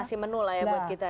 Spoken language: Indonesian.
masih menulai ya buat kita